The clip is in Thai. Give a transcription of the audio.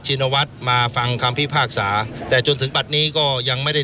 ชินวัฒน์มาฟังคำพิพากษาแต่จนถึงปัดนี้ก็ยังไม่ได้